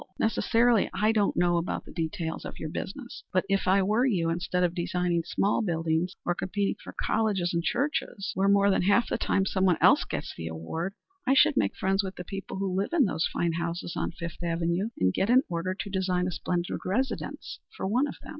Necessarily I don't know about the details of your business, but if I were you, instead of designing small buildings or competing for colleges and churches, where more than half the time someone else gets the award, I should make friends with the people who live in those fine houses on Fifth Avenue, and get an order to design a splendid residence for one of them.